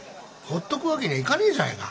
ほっとく訳にはいかねえじゃねえか。